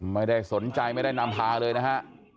ไม่ได้สนใจไม่ได้นำพาเลยนะฮะ